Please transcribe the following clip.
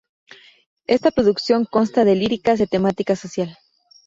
Esta producción consta de líricas de temática social.